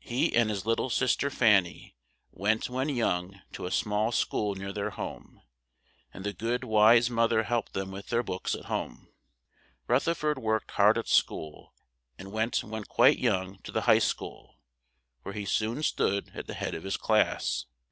He and his lit tle sis ter Fan ny went when young to a small school near their home; and the good, wise moth er helped them with their books at home; Ruth er ford worked hard at school, and went when quite young to the high school, where he soon stood at the head of his class.